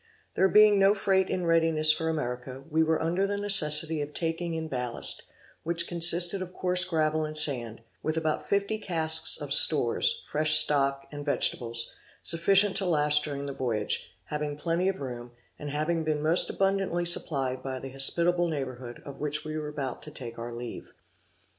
There being no freight in readiness for America, we were under the necessity of taking in ballast: which consisted of coarse gravel and sand, with about fifty casks of stores, fresh stock, and vegetables, sufficient to last during the voyage; having plenty of room, and having been most abundantly supplied by the hospitable neighbourhood, of which we were about to take our leave.